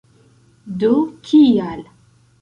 Do kial?